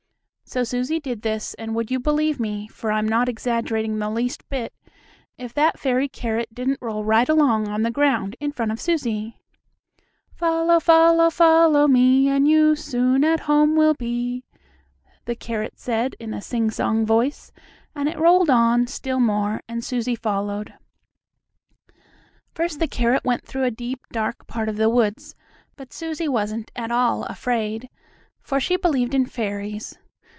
So Susie did this, and would you believe me, for I'm not exaggerating the least bit, if that fairy carrot didn't roll right along on the ground in front of Susie. "Follow, follow, follow me, And you soon at home will be," the carrot said, in a sing song voice, and it rolled on, still more, and Susie followed. First the carrot went through a deep, dark part of the woods, but Susie wasn't at all afraid, for she believed in fairies.